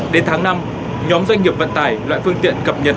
đến tháng năm nhóm doanh nghiệp vận tải loại phương tiện cập nhật